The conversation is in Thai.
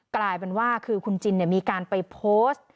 กลายเป็นว่าคือคุณจินมีการไปโพสต์